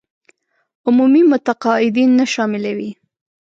عمومي متقاعدين نه شاملوي.